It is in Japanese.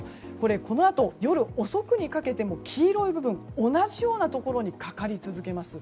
このあと夜遅くにかけても黄色い部分同じようなところにかかり続けます。